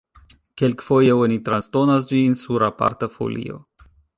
Kelkfoje oni transdonas ĝin sur aparta folio.